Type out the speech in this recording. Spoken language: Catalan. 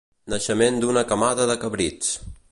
Naixement d'una camada de cabrits.